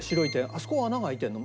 あそこも穴が開いてるの？